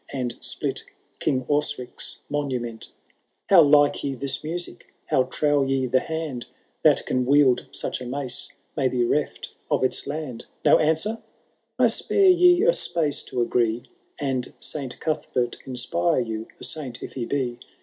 And split King Osric's monument.^^ How like ye this music ? How txow ye the hand That can wi^ld such a mace may be reft of its land ? No answer ?— I spare ye a space to agree, And Saint Cuthbert inspiiv you, a saint if he be.